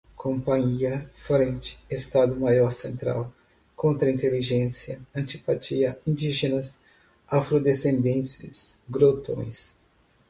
companhia, frente, estado-maior central, contra-inteligência, antipatia, indígenas, afrodescendentes, grotões